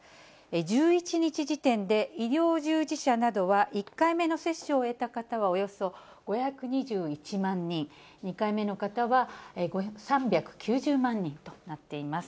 １１日時点で医療従事者などは、１回目の接種を終えた方はおよそ５２１万人、２回目の方は３９０万人となっています。